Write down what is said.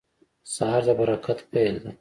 سهار د برکت پیل دی.